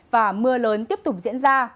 và mưa lớn tiếp tục diễn ra